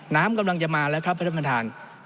น้ำกำลังจะมาแล้วครับพระธรรมฐาน